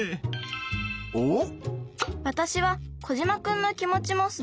おっ！